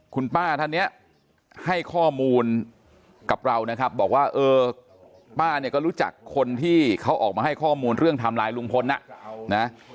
คุณป้าท่านเนี่ยให้ข้อมูลกับเรานะครับบอกว่าเออป้าเนี่ยก็รู้จักคนที่เขาออกมาให้ข้อมูลเรื่องทำลายลุงพลนะ